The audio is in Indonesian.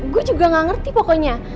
gue juga gak ngerti pokoknya